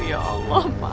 ya allah pak